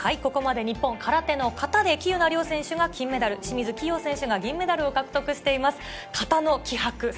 日本、空手の形で喜友名諒選手が金メダル、清水希容選手が銀メダルを獲得しています。